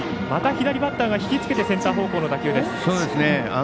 また左バッターが引きつけてセンター方向の打球です。